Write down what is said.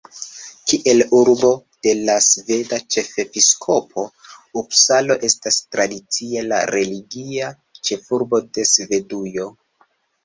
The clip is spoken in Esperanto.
Kiel urbo de la sveda ĉefepiskopo, Upsalo estas tradicie la religia ĉefurbo de Svedujo.